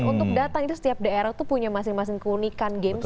untuk datang itu setiap daerah itu punya masing masing keunikan games